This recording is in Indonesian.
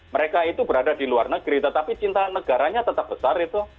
mereka itu berada di luar negeri tetapi cinta negaranya tetap besar itu